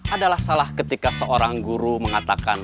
adalah salah ketika seorang guru mengatakan